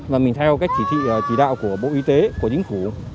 và mình theo cái chỉ thị chỉ đạo của bộ y tế của chính phủ